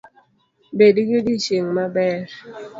Bed gi odiochieng’ maber